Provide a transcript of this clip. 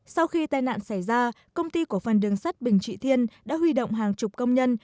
sau khi tai nạn xảy ra công ty cổ phần đường sắt bình trị thiên đã huy động hàng chục công nhân